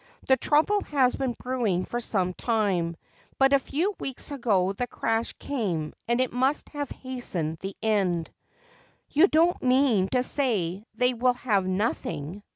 The trouble has been brewing for some time, but a few weeks ago the crash came and it must have hastened the end." "You don't mean to say they will have nothing?"